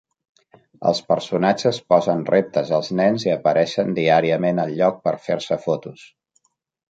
Els personatges posen reptes als nens i apareixen diàriament al lloc per fer-se fotos.